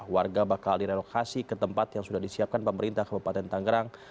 warga bakal direlokasi ke tempat yang sudah disiapkan pemerintah kabupaten tangerang